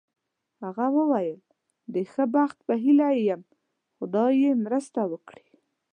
هغه وویل: د ښه بخت په هیله یې یم، خدای یې مرسته وکړي.